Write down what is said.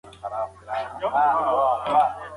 بېلابېل عوامل د ناخوښۍ لامل دي.